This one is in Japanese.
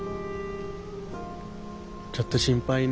ちょっと心配ね。